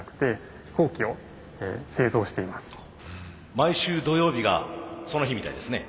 毎週土曜日がその日みたいですね。